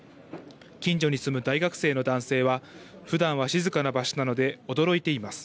近所に住む大学生の男性はふだんは静かな場所なので驚いています。